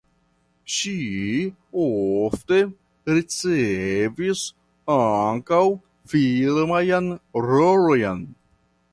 Ŝi ofte ricevis ankaŭ filmajn rolojn.